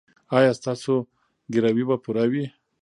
ایا ستاسو ګروي به پوره وي؟